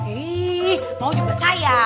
ih mau juga saya